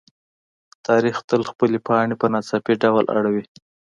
تاریخ تل خپلې پاڼې په ناڅاپي ډول اړوي.